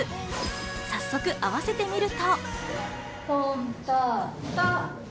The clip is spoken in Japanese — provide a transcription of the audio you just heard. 早速、合わせてみると。